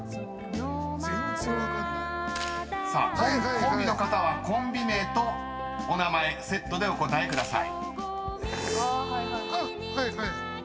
［コンビの方はコンビ名とお名前セットでお答えください］